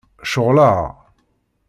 Ceɣleɣ.